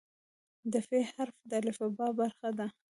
د "ف" حرف د الفبا برخه ده.